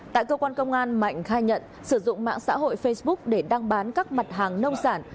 tại cơ quan công an mạnh khai nhận sử dụng mạng xã hội facebook để đăng bán các mặt hàng nông sản